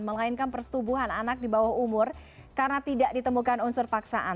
melainkan persetubuhan anak di bawah umur karena tidak ditemukan unsur paksaan